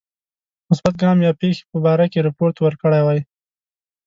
مثبت ګام یا پیښی په باره کې رپوت ورکړی وای.